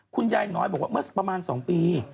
คุณยายน้อยบอกว่าเมื่อประมาณ๒ปี